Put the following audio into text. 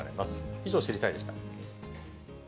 以上、知りたいッ！でした。